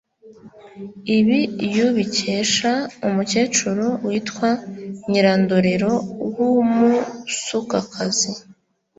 Ibi yubikesha umukecuru witwa Nyirandorero w’ Umusukakazi